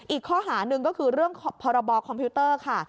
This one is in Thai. อีกข้อหาหนึ่งก็คือเรื่องพรบคอมพิวเตอร์ค่ะ